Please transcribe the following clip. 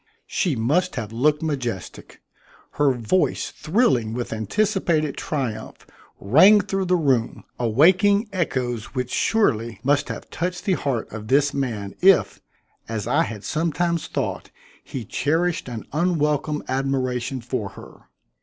She must have looked majestic. Her voice thrilling with anticipated triumph rang through the room, awaking echoes which surely must have touched the heart of this man if, as I had sometimes thought, he cherished an unwelcome admiration for her.